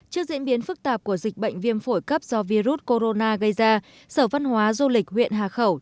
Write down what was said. trước diễn biến phức tạp của dịch bệnh viêm phổi cấp do virus corona gây ra sở văn hóa du lịch huyện hà khẩu